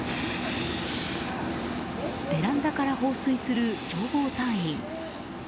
ベランダから放水する消防隊員。